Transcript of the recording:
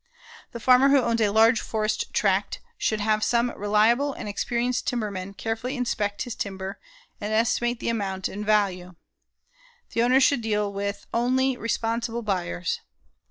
The farmer who owns a large forest tract should have some reliable and experienced timberman carefully inspect his timber and estimate the amount and value. The owner should deal with only responsible buyers.